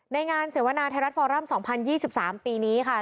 ในงานเสวนาไทยรัฐฟอรัม๒๐๒๓ปีนี้ค่ะ